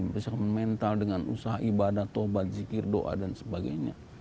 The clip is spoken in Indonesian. bisa memental dengan usaha ibadah tohbat zikir doa dan sebagainya